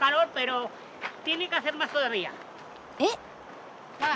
えっ？